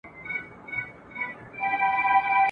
ما یې فال دی پر اورغوي له ازل سره کتلی ..